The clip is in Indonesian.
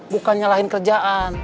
bukan nyalahin kerjaan